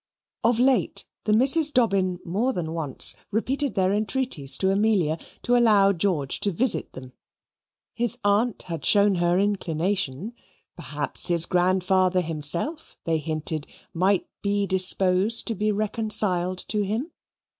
Of late the Misses Dobbin more than once repeated their entreaties to Amelia, to allow George to visit them. His aunt had shown her inclination; perhaps his grandfather himself, they hinted, might be disposed to be reconciled to him.